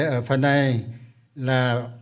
ở phần này là